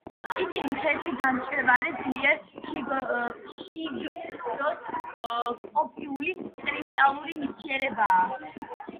ისინი თეთრი, გამჭვირვალე, ძლიერ ჰიგროსკოპული კრისტალური ნივთიერებაა.